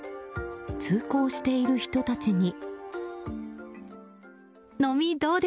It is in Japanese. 通行している人たちに。